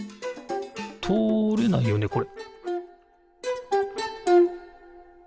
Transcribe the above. とおれないよねこれ？